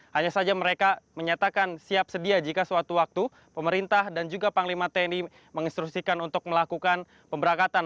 hanya saja mereka menyatakan siap sedia jika suatu waktu pemerintah dan juga panglima tni menginstruksikan untuk melakukan pemberangkatan